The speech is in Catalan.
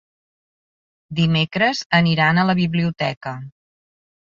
Dimecres aniran a la biblioteca.